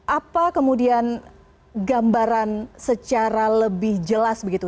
apa kemudian gambaran secara lebih jelas begitu